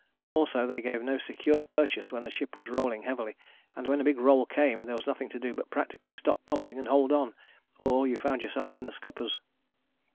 Also they gave no secure purchase when the ship was rolling heavily, and when a big roll came there was nothing to do but practically stop pumping and hold on, or you found yourself in the scuppers.